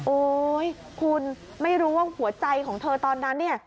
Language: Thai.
โอ๊ยคุณไม่รู้ว่าหัวใจของเธอตอนนั้นเนี่ย